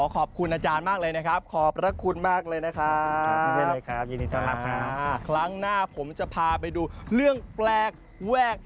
สบายชิว